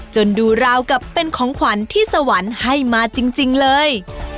ดูราวกับเป็นของขวัญที่สวรรค์ให้มาจริงเลย